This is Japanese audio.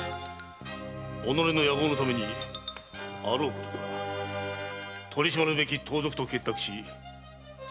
己の野望のためにあろうことか取り締まるべき盗賊と結託し罪